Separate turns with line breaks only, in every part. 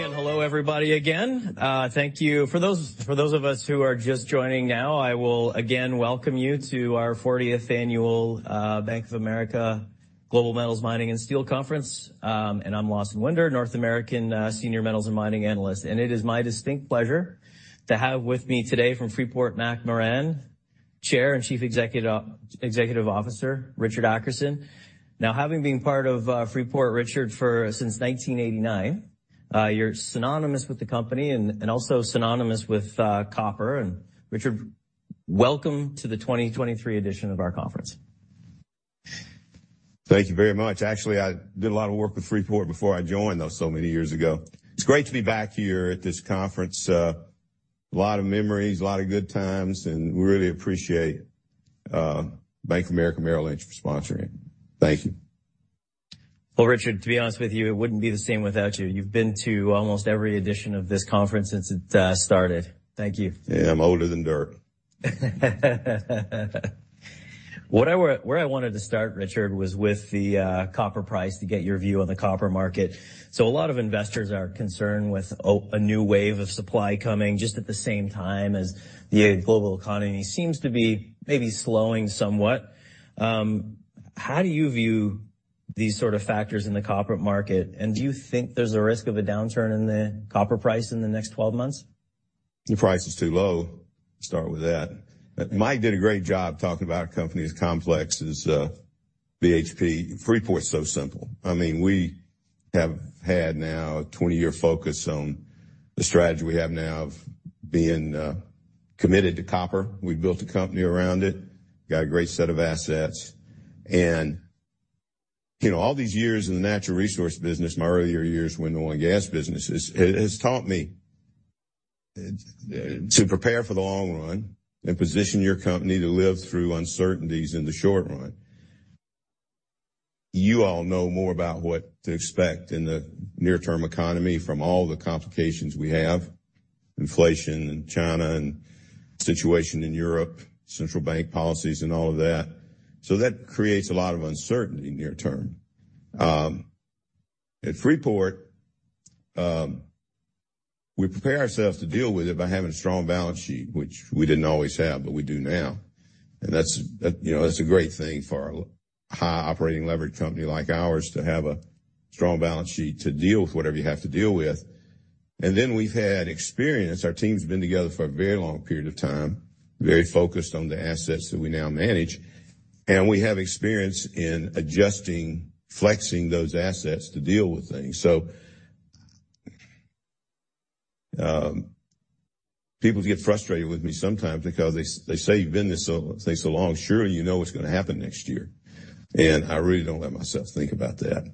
Good morning, hello, everybody again. Thank you. For those of us who are just joining now, I will again welcome you to our 40th Annual Bank of America Global Metals Mining and Steel Conference. I'm Lawson Winder, North American Senior Metals and Mining Analyst. It is my distinct pleasure to have with me today from Freeport-McMoRan, Chair and Chief Executive Officer Richard Adkerson. Now, having been part of Freeport, Richard, for since 1989, you're synonymous with the company and also synonymous with copper. Richard, welcome to the 2023 edition of our conference.
Thank you very much. Actually, I did a lot of work with Freeport before I joined those so many years ago. It's great to be back here at this conference. A lot of memories, a lot of good times, and we really appreciate Bank of America Merrill Lynch for sponsoring. Thank you.
Well, Richard, to be honest with you, it wouldn't be the same without you. You've been to almost every edition of this conference since it started. Thank you.
Yeah, I'm older than dirt.
Where I wanted to start, Richard, was with the copper price to get your view on the copper market. A lot of investors are concerned with a new wave of supply coming just at the same time as the global economy seems to be maybe slowing somewhat. How do you view these sort of factors in the copper market, and do you think there's a risk of a downturn in the copper price in the next 12 months?
The price is too low. Start with that. Mike did a great job talking about a company as complex as BHP. Freeport is so simple. I mean, we have had now a 20-year focus on the strategy we have now of being committed to copper. We built a company around it, got a great set of assets. You know, all these years in the natural resource business, my earlier years were in the oil and gas business, has taught me to prepare for the long run and position your company to live through uncertainties in the short run. You all know more about what to expect in the near-term economy from all the complications we have, inflation in China and situation in Europe, central bank policies and all of that. That creates a lot of uncertainty near-term. At Freeport, we prepare ourselves to deal with it by having a strong balance sheet, which we didn't always have, but we do now. That's, you know, that's a great thing for a high operating leverage company like ours to have a strong balance sheet to deal with whatever you have to deal with. Then we've had experience. Our team's been together for a very long period of time, very focused on the assets that we now manage, and we have experience in adjusting, flexing those assets to deal with things. People get frustrated with me sometimes because they say, "You've been in this so long. Surely you know what's gonna happen next year." I really don't let myself think about that.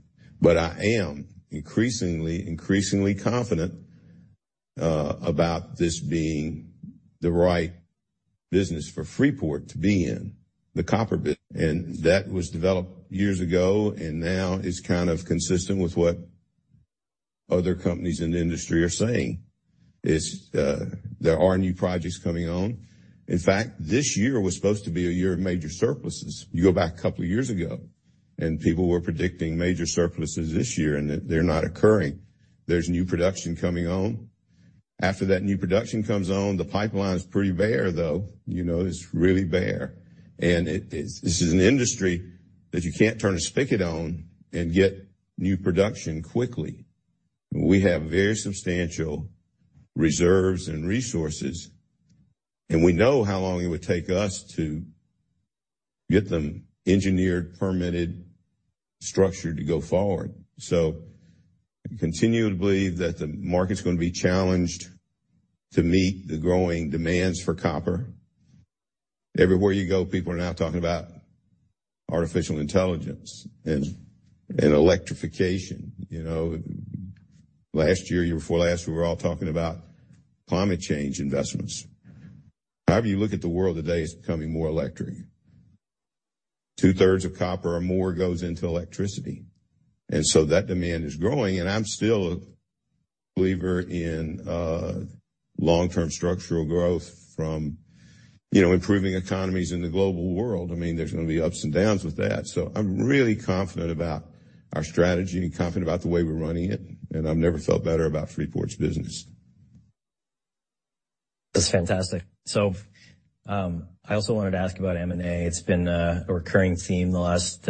I am increasingly confident, about this being the right business for Freeport to be in the copper business. That was developed years ago, and now it's kind of consistent with what other companies in the industry are saying. It's, there are new projects coming on. In fact, this year was supposed to be a year of major surpluses. You go back a couple of years ago and people were predicting major surpluses this year, and they're not occurring. There's new production coming on. After that new production comes on, the pipeline is pretty bare, though. You know, it's really bare. This is an industry that you can't turn a spigot on and get new production quickly. We have very substantial reserves and resources, and we know how long it would take us to get them engineered, permitted, structured to go forward. I continue to believe that the market's gonna be challenged to meet the growing demands for copper. Everywhere you go, people are now talking about artificial intelligence and electrification. You know, last year before last, we were all talking about climate change investments. However you look at the world today, it's becoming more electric. 2/3 of copper or more goes into electricity. That demand is growing, and I'm still a believer in long-term structural growth from, you know, improving economies in the global world. I mean, there's gonna be ups and downs with that. I'm really confident about our strategy, confident about the way we're running it, and I've never felt better about Freeport's business.
That's fantastic. I also wanted to ask about M&A. It's been a recurring theme the last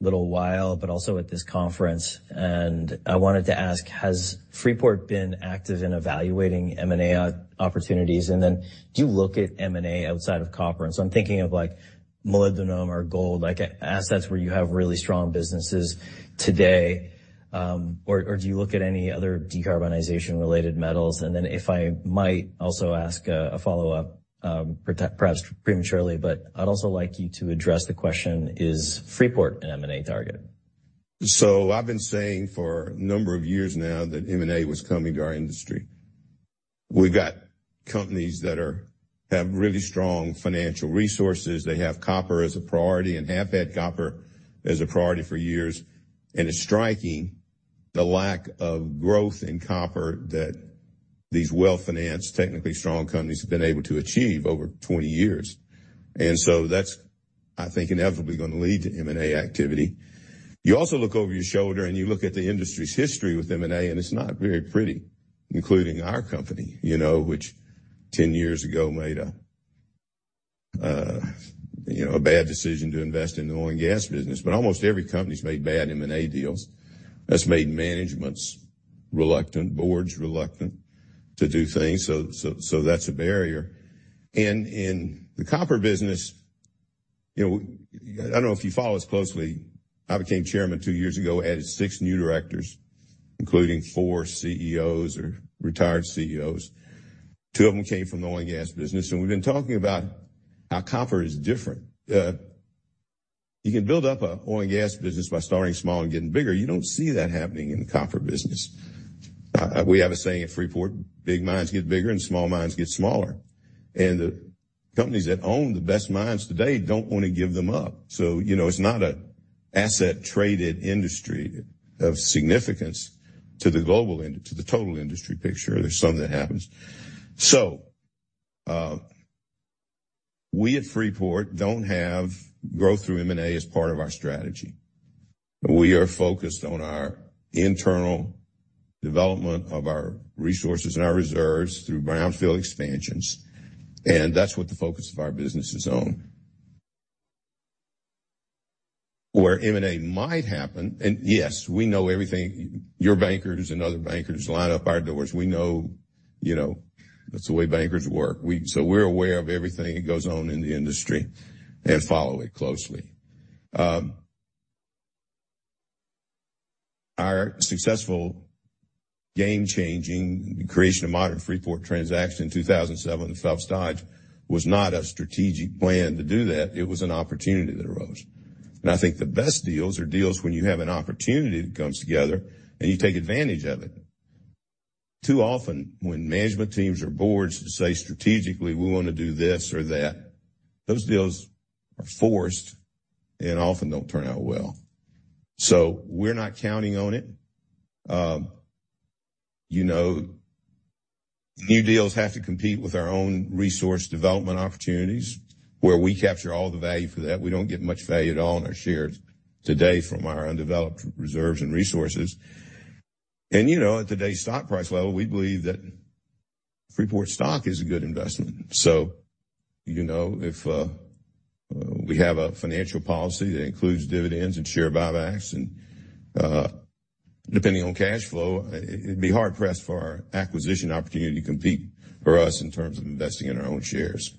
little while, but also at this conference. I wanted to ask, has Freeport been active in evaluating M&A opportunities? Do you look at M&A outside of copper? I'm thinking of like molybdenum or gold, like assets where you have really strong businesses today. Or do you look at any other decarbonization-related metals? If I might also ask a follow-up, perhaps prematurely, but I'd also like you to address the question: Is Freeport an M&A target?
I've been saying for a number of years now that M&A was coming to our industry. We've got companies that have really strong financial resources. They have copper as a priority and have had copper as a priority for years. It's striking the lack of growth in copper. These well-financed, technically strong companies have been able to achieve over 20 years. That's, I think, inevitably gonna lead to M&A activity. You also look over your shoulder, and you look at the industry's history with M&A, and it's not very pretty, including our company, you know, which 10 years ago made a, you know, a bad decision to invest in the oil and gas business. Almost every company's made bad M&A deals. That's made managements reluctant, boards reluctant to do things, so that's a barrier. In the copper business, you know, I don't know if you follow us closely, I became Chairman two years ago, added six new directors, including four CEOs or retired CEOs. Two of them came from the oil and gas business. We've been talking about how copper is different. You can build up a oil and gas business by starting small and getting bigger. You don't see that happening in the copper business. We have a saying at Freeport, "Big mines get bigger, and small mines get smaller." The companies that own the best mines today don't wanna give them up. You know, it's not a asset-traded industry of significance to the global to the total industry picture. There's some that happens. We at Freeport don't have growth through M&A as part of our strategy. We are focused on our internal development of our resources and our reserves through brownfield expansions, that's what the focus of our business is on. Where M&A might happen, yes, we know everything. Your bankers and other bankers line up our doors. We know, you know, that's the way bankers work. We're aware of everything that goes on in the industry and follow it closely. Our successful game-changing creation of modern Freeport transaction in 2007 with Phelps Dodge was not a strategic plan to do that. It was an opportunity that arose. I think the best deals are deals when you have an opportunity that comes together, and you take advantage of it. Too often, when management teams or boards say strategically, we wanna do this or that, those deals are forced and often don't turn out well. We're not counting on it. You know, new deals have to compete with our own resource development opportunities, where we capture all the value for that. We don't get much value at all in our shares today from our undeveloped reserves and resources. You know, at today's stock price level, we believe that Freeport stock is a good investment. You know, if we have a financial policy that includes dividends and share buybacks and depending on cash flow, it'd be hard-pressed for our acquisition opportunity to compete for us in terms of investing in our own shares.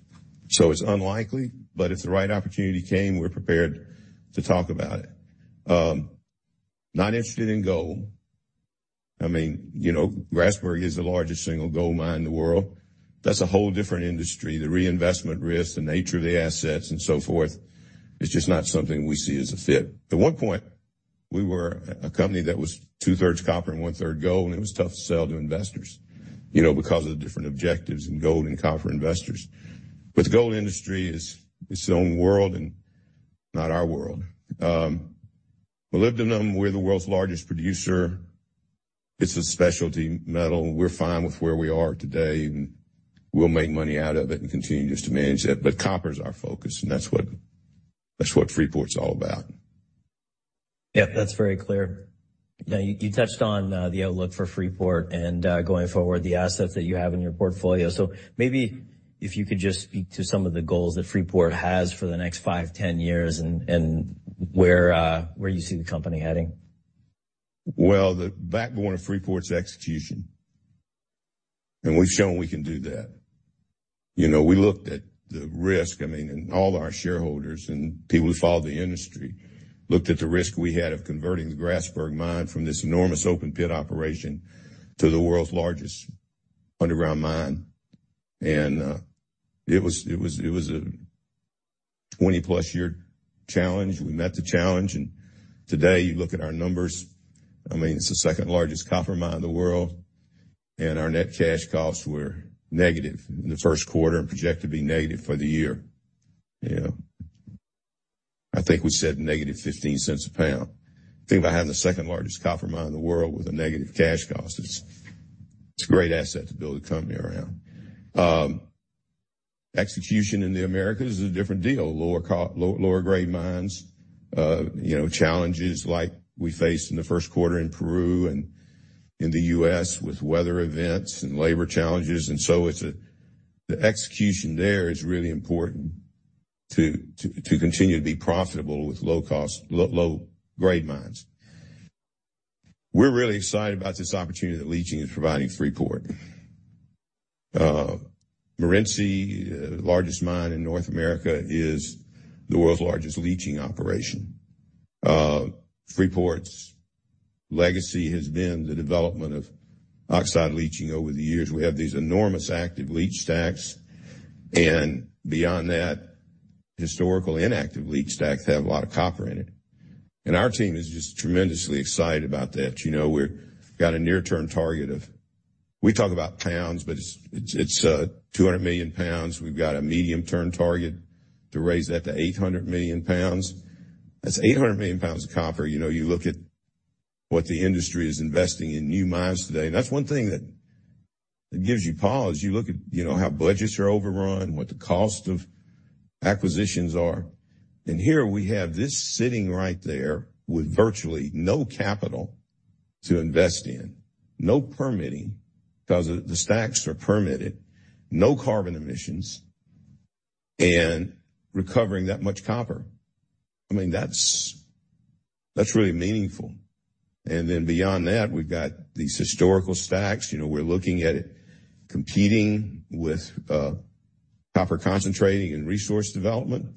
It's unlikely, but if the right opportunity came, we're prepared to talk about it. Not interested in gold. I mean, you know, Grasberg is the largest single gold mine in the world. That's a whole different industry. The reinvestment risk, the nature of the assets, and so forth, is just not something we see as a fit. At one point, we were a company that was 2/3 copper and one-third gold, and it was tough to sell to investors, you know, because of the different objectives in gold and copper investors. The gold industry is, it's own world and not our world. molybdenum, we're the world's largest producer. It's a specialty metal. We're fine with where we are today, and we'll make money out of it and continue just to manage that. Copper is our focus, and that's what Freeport's all about.
Yeah, that's very clear. Now, you touched on the outlook for Freeport and going forward, the assets that you have in your portfolio. Maybe if you could just speak to some of the goals that Freeport has for the next five, 10 years and where you see the company heading.
Well, the backbone of Freeport's execution, and we've shown we can do that. You know, we looked at the risk, I mean, and all our shareholders and people who follow the industry looked at the risk we had of converting the Grasberg mine from this enormous open pit operation to the world's largest underground mine. It was a 20+ year challenge. We met the challenge. Today, you look at our numbers. I mean, it's the second-largest copper mine in the world, and our net cash costs were negative in the first quarter and project to be negative for the year. You know. I think we said -$0.15 a pound. Think about having the second-largest copper mine in the world with a negative cash cost. It's a great asset to build a company around. Execution in the Americas is a different deal. Lower, lower grade mines. You know, challenges like we faced in the first quarter in Peru and in the U.S. with weather events and labor challenges. The execution there is really important to continue to be profitable with low cost, low grade mines. We're really excited about this opportunity that leaching is providing Freeport. Morenci, largest mine in North America, is the world's largest leaching operation. Freeport's legacy has been the development of oxide leaching over the years. We have these enormous active leach stacks. Beyond that, historical inactive leach stacks have a lot of copper in it. Our team is just tremendously excited about that. You know, got a near-term target. We talk about pounds, but it's 200 million pounds. We've got a medium-term target to raise that to 800 million pounds. That's 800 million pounds of copper. You know, you look at what the industry is investing in new mines today. That's one thing that gives you pause. You look at, you know, how budgets are overrun, what the cost of acquisitions are. Here we have this sitting right there with virtually no capital to invest in. No permitting, 'cause the stacks are permitted. No carbon emissions and recovering that much copper. I mean, that's really meaningful. Beyond that, we've got these historical stacks. You know, we're looking at competing with copper concentrating and resource development.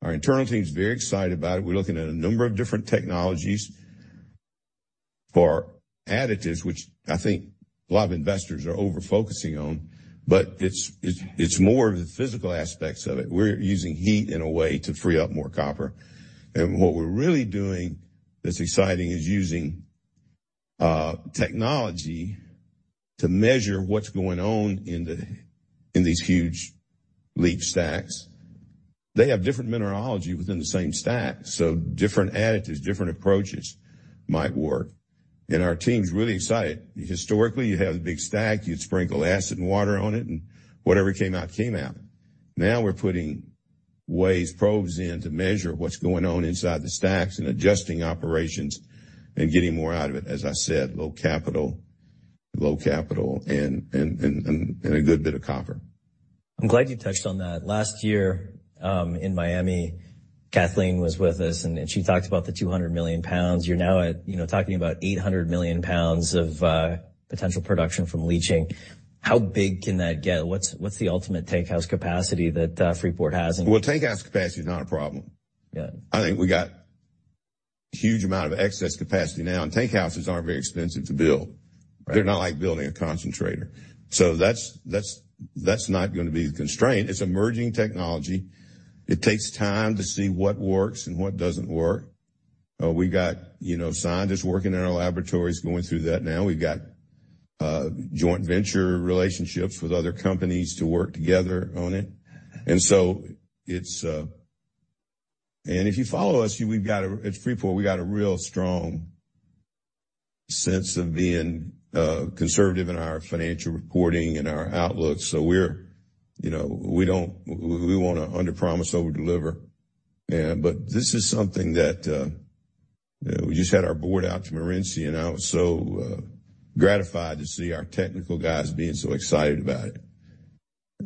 Our internal team is very excited about it. We're looking at a number of different technologies for additives, which I think a lot of investors are over-focusing on, but it's more of the physical aspects of it. We're using heat in a way to free up more copper. What we're really doing that's exciting is using technology to measure what's going on in these huge leach stacks. They have different mineralogy within the same stack, so different additives, different approaches might work. Our team's really excited. Historically, you'd have a big stack, you'd sprinkle acid and water on it, and whatever came out, came out. Now we're putting probes in to measure what's going on inside the stacks and adjusting operations and getting more out of it. As I said, low capital. Low capital and a good bit of copper.
I'm glad you touched on that. Last year, in Miami, Kathleen was with us, and she talked about the 200 million pounds. You're now at, you know, talking about 800 million pounds of potential production from leaching. How big can that get? What's the ultimate tankhouse capacity that Freeport has and?
Well, tankhouse capacity is not a problem.
Yeah.
I think we got huge amount of excess capacity now. Tankhouses aren't very expensive to build.
Right.
They're not like building a concentrator. That's not gonna be the constraint. It's emerging technology. It takes time to see what works and what doesn't work. We got, you know, scientists working in our laboratories going through that now. We've got joint venture relationships with other companies to work together on it. If you follow us, At Freeport, we got a real strong sense of being conservative in our financial reporting and our outlook. We're, you know, we wanna underpromise, overdeliver. This is something that we just had our board out to Morenci, and I was so gratified to see our technical guys being so excited about it.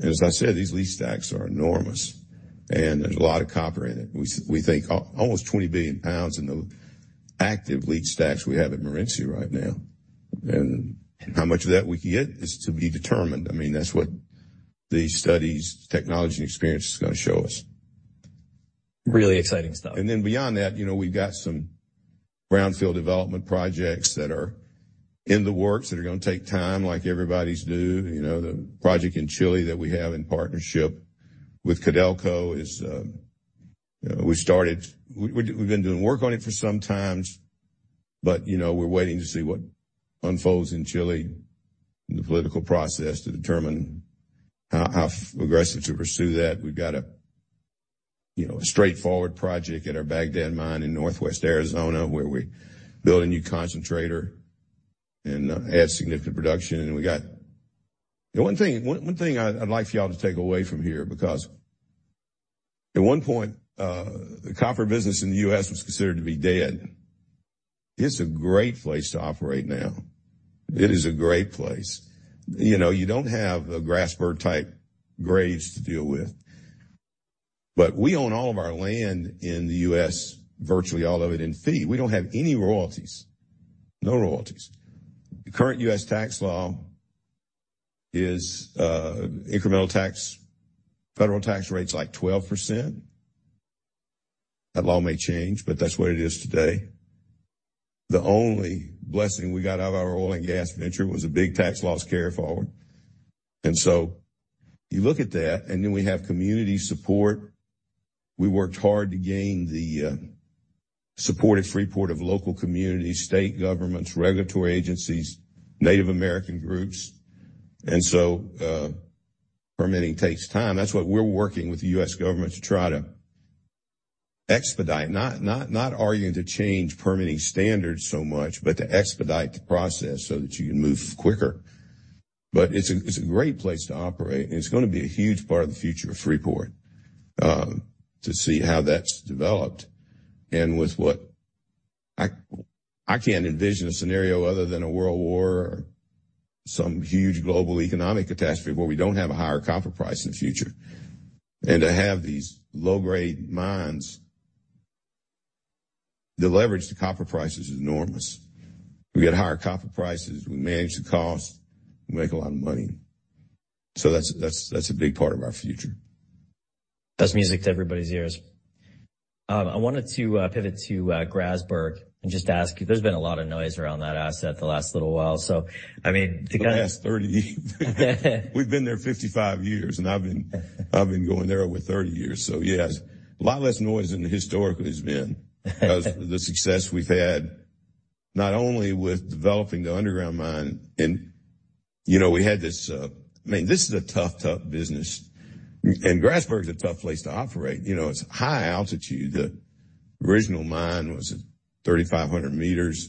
As I said, these leach stacks are enormous, and there's a lot of copper in it. We think almost 20 billion pounds in the active leach stacks we have at Morenci right now. How much of that we can get is to be determined. I mean, that's what these studies, technology and experience is gonna show us.
Really exciting stuff.
Beyond that, you know, we've got some brownfield development projects that are in the works that are gonna take time like everybody's do. You know, the project in Chile that we have in partnership with Codelco is, we've been doing work on it for some times, but, you know, we're waiting to see what unfolds in Chile in the political process to determine how aggressive to pursue that. We've got a, you know, a straightforward project at our Bagdad Mine in northwest Arizona, where we build a new concentrator and add significant production. We got. The one thing I'd like for y'all to take away from here, because at one point, the copper business in the U.S. was considered to be dead. It's a great place to operate now. It is a great place. You know, you don't have a Grasberg-type grades to deal with. We own all of our land in the U.S., virtually all of it in fee. We don't have any royalties. No royalties. The current U.S. tax law is incremental tax, federal tax rate's like 12%. That law may change, but that's what it is today. The only blessing we got out of our oil and gas venture was a big tax loss carry-forward. You look at that, and then we have community support. We worked hard to gain the support at Freeport of local communities, state governments, regulatory agencies, Native American groups. Permitting takes time. That's what we're working with the U.S. government to try to expedite. Not arguing to change permitting standards so much, but to expedite the process so that you can move quicker. It's a great place to operate, and it's gonna be a huge part of the future of Freeport, to see how that's developed. I can't envision a scenario other than a world war or some huge global economic catastrophe where we don't have a higher copper price in the future. To have these low-grade mines, the leverage to copper price is enormous. We get higher copper prices, we manage the cost, we make a lot of money. That's a big part of our future.
That's music to everybody's ears. I wanted to pivot to Grasberg and just ask you. There's been a lot of noise around that asset the last little while. I mean,
We've been there 55 years, and I've been going there over 30 years. Yes. A lot less noise than it historically has been because the success we've had not only with developing the underground mine, and you know, I mean, this is a tough business. Grasberg is a tough place to operate. You know, it's high altitude. The original mine was at 3,500 meters.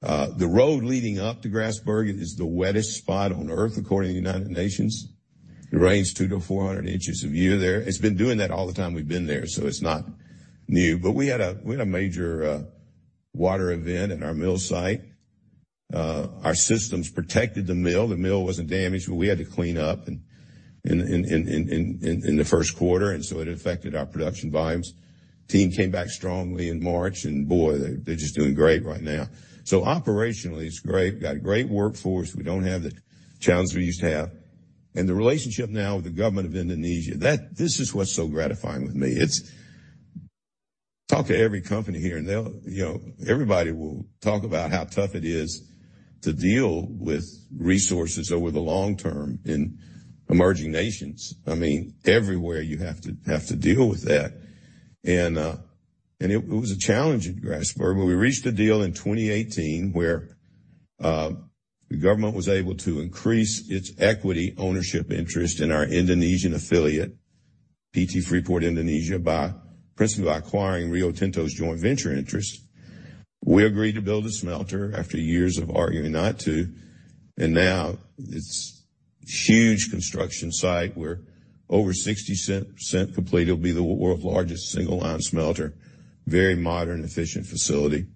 The road leading up to Grasberg is the wettest spot on Earth according to the United Nations. It rains 200-400 inches a year there. It's not new. We had a major water event in our mill site. Our systems protected the mill. The mill wasn't damaged. We had to clean up in the first quarter. It affected our production volumes. Team came back strongly in March. Boy, they're just doing great right now. Operationally, it's great. Got a great workforce. We don't have the challenges we used to have. The relationship now with the government of Indonesia, this is what's so gratifying with me. Talk to every company here, and they'll, you know, everybody will talk about how tough it is to deal with resources over the long term in emerging nations. I mean, everywhere you have to deal with that. It was a challenge at Grasberg, but we reached a deal in 2018 where the government was able to increase its equity ownership interest in our Indonesian affiliate, PT Freeport Indonesia, by principally by acquiring Rio Tinto's joint venture interest. We agreed to build a smelter after years of arguing not to, and now it's huge construction site. We're over 60% complete. It'll be the world's largest single line smelter. Very modern, efficient facility.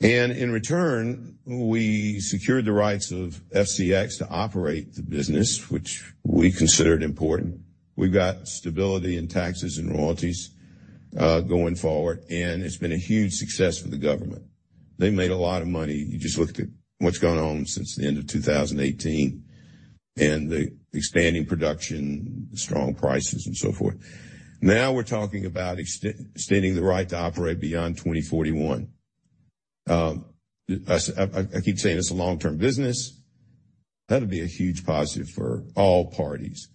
In return, we secured the rights of FCX to operate the business, which we considered important. We've got stability in taxes and royalties going forward, and it's been a huge success for the government. They made a lot of money. You just look at what's gone on since the end of 2018 and the expanding production, strong prices and so forth. Now we're talking about extending the right to operate beyond 2041. I keep saying it's a long-term business. That'll be a huge positive for all parties.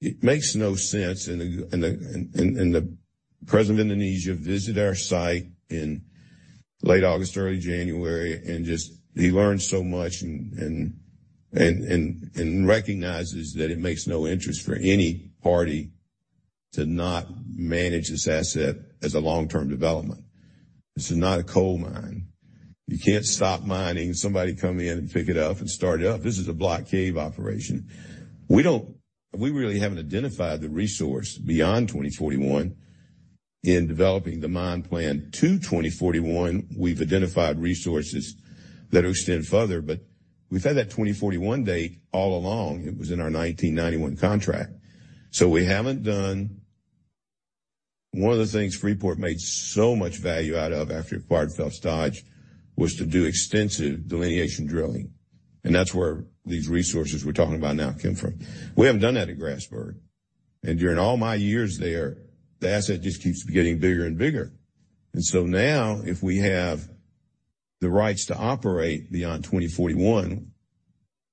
It makes no sense. The President of Indonesia visited our site in late August, early January, and just he learned so much and recognizes that it makes no interest for any party to not manage this asset as a long-term development. This is not a coal mine. You can't stop mining, somebody come in and pick it up and start it up. This is a block cave operation. We really haven't identified the resource beyond 2041. In developing the mine plan to 2041, we've identified resources that extend further, but we've had that 2041 date all along. It was in our 1991 contract. We haven't done. One of the things Freeport made so much value out of after it acquired Phelps Dodge was to do extensive delineation drilling. That's where these resources we're talking about now came from. We haven't done that at Grasberg. During all my years there, the asset just keeps getting bigger and bigger. So now, if we have the rights to operate beyond 2041,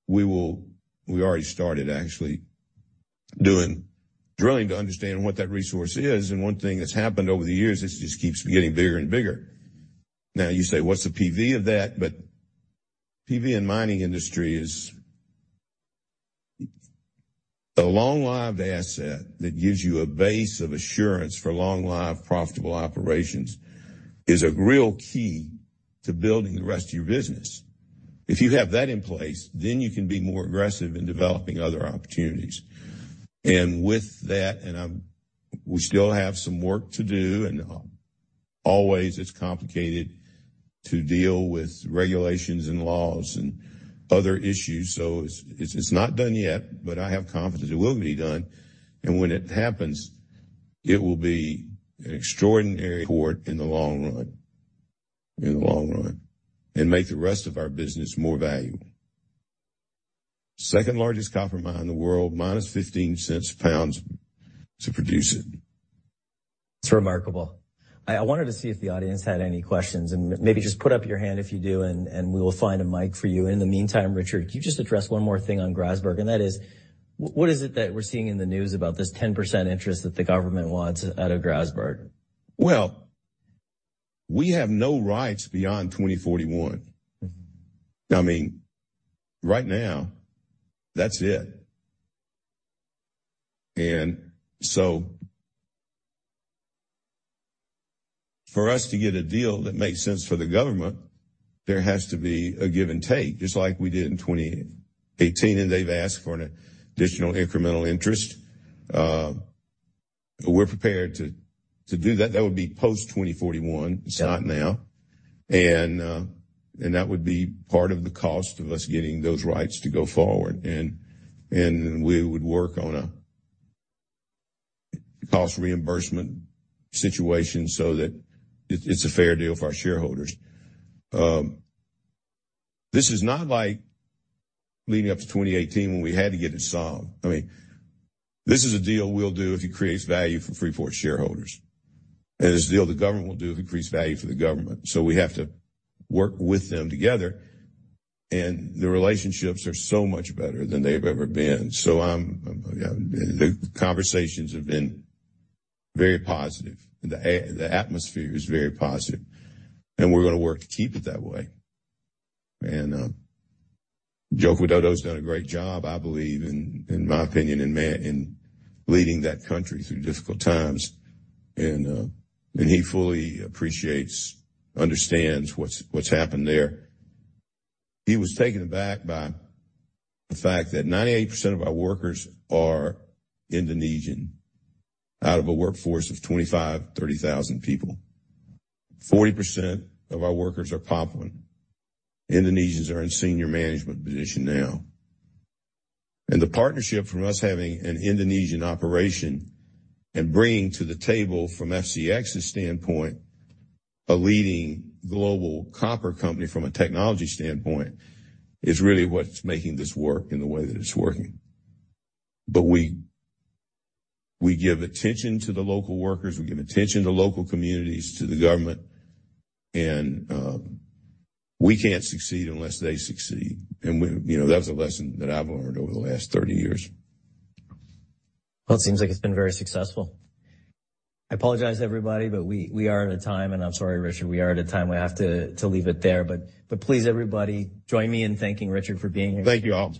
we already started actually doing drilling to understand what that resource is. One thing that's happened over the years, it just keeps getting bigger and bigger. Now you say, "What's the PV of that?" PV in mining industry is a long-lived asset that gives you a base of assurance for long-lived, profitable operations, is a real key to building the rest of your business. If you have that in place, then you can be more aggressive in developing other opportunities. With that, we still have some work to do, and always it's complicated to deal with regulations and laws and other issues. It's not done yet, but I have confidence it will be done. When it happens, it will be an extraordinary accord in the long run. In the long run. Make the rest of our business more valuable. Second-largest copper mine in the world, -$0.15 a pound to produce it.
It's remarkable. I wanted to see if the audience had any questions and maybe just put up your hand if you do, and we will find a mic for you. In the meantime, Richard, could you just address one more thing on Grasberg, that is what is it that we're seeing in the news about this 10% interest that the government wants out of Grasberg?
Well, we have no rights beyond 2041.
Mm-hmm.
I mean, right now, that's it. For us to get a deal that makes sense for the government, there has to be a give and take, just like we did in 2018. We're prepared to do that. That would be post 2041.
Yeah.
It's not now. That would be part of the cost of us getting those rights to go forward. We would work on a cost reimbursement situation so that it's a fair deal for our shareholders. This is not like leading up to 2018 when we had to get it solved. I mean, this is a deal we'll do if it creates value for Freeport shareholders. It's a deal the government will do if it creates value for the government. We have to work with them together. The relationships are so much better than they've ever been. I'm, you know, the conversations have been very positive. The atmosphere is very positive, and we're gonna work to keep it that way. Joko Widodo's done a great job, I believe, in my opinion, in leading that country through difficult times. He fully appreciates, understands what's happened there. He was taken aback by the fact that 98% of our workers are Indonesian out of a workforce of 25,000-30,000 people. 40% of our workers are Papuan. Indonesians are in senior management position now. The partnership from us having an Indonesian operation and bringing to the table from FCX's standpoint, a leading global copper company from a technology standpoint, is really what's making this work in the way that it's working. We give attention to the local workers. We give attention to local communities, to the government. We can't succeed unless they succeed. You know, that's a lesson that I've learned over the last 30 years.
Well, it seems like it's been very successful. I apologize, everybody, but we are at a time, and I'm sorry, Richard, we are at a time. We have to leave it there. Please, everybody, join me in thanking Richard for being here.
Thank you, all.